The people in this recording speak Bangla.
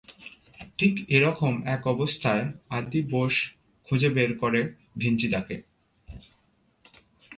ঠিক এ রকম এক অবস্থায় আদি বোস খুঁজে বের করে ভিঞ্চিদাকে।